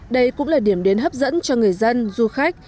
đây cũng là điểm đến hấp dẫn cho người dân du khách